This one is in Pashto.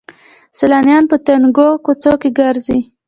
سیلانیان په تنګو کوڅو کې ګرځي.